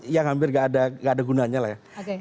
yang hampir nggak ada gunanya lah ya